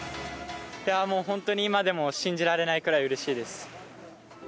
本当に今でも信じられないくらいうれしいです。